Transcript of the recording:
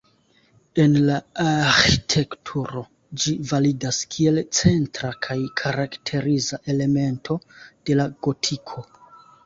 En la arĥitekturo ĝi validas kiel centra kaj karakteriza elemento de la gotiko.